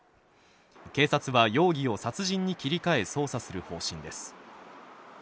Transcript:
警察は容疑を殺人に切り替え、捜査する方針です。